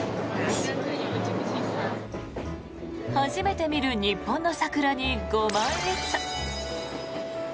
初めて見る日本の桜にご満悦。